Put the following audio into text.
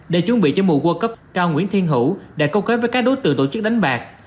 để chuẩn bị cho mùa world cup cao nguyễn thiên hữu đã câu kết với các đối tượng tổ chức đánh bạc